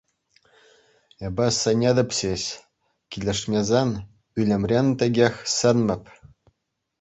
Эпӗ сӗнетӗп ҫеҫ, килӗшмесен ӳлӗмрен текех сӗнмӗп.